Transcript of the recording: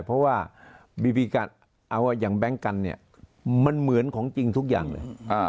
เพราะว่าบีบีกันเอาอย่างแบงค์กันเนี่ยมันเหมือนของจริงทุกอย่างเลย